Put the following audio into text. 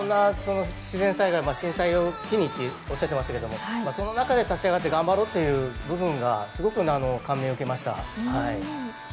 震災を機にとおっしゃっていましたけれども、立ち上がって頑張ろうという部分がすごく感銘を受けました。